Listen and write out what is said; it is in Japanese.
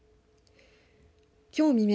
きょう未明